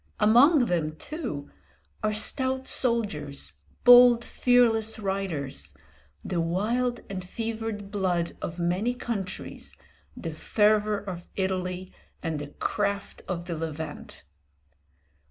Among them, too, are stout soldiers, bold fearless riders, the wild and fevered blood of many countries, the fervour of Italy, and the craft of the Levant.